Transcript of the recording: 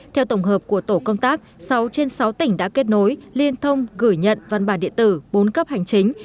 theo tổng hợp của tổ công tác sáu trên sáu tỉnh đã kết nối liên thông gửi nhận văn bản điện tử bốn cấp hành chính